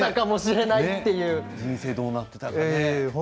人生どうなっていたか。